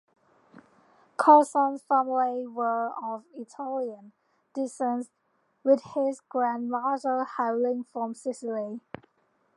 Carson's family were of Italian descent, with his grandmother hailing from Sicily.